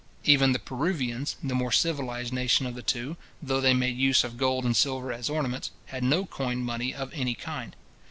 Even the Peruvians, the more civilized nation of the two, though they made use of gold and silver as ornaments, had no coined money of any kind.